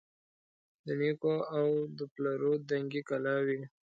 د نیکو او د پلرو دنګي کلاوي